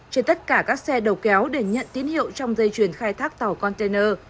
trên tất cả các xe đầu kéo để nhận tín hiệu trong dây chuyển khai thác tàu container